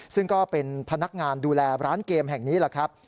ซึ่งก็เป็นพนักงานดูแลร้านเกมแห่งนี้แหละครับ